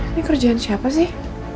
ini kerjaan siapa sih